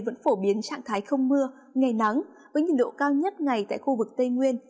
vẫn phổ biến trạng thái không mưa ngày nắng với nhiệt độ cao nhất ngày tại khu vực tây nguyên